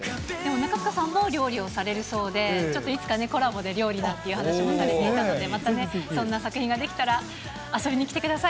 中務さんも料理をされるそうで、ちょっといつかね、コラボで料理なんていう話もされていたので、またね、そんな作品が出来たら遊びに来てください。